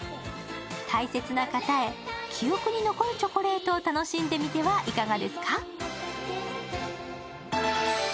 大切な方へ記憶に残るチョコレートを楽しんでみてはいかがですか？